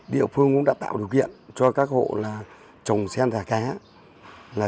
địa phương cũng đã tạo điều kiện cho các hộ trồng sen thả cá